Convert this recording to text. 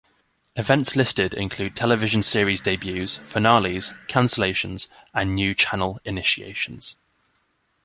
Events listed include television series debuts, finales, cancellations, and new channel initiations.